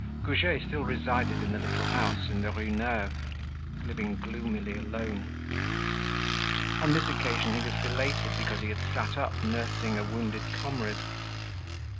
Goujet still resided in the little house in the Rue Neuve, living gloomily alone. On this occasion he was belated because he had sat up nursing a wounded comrade.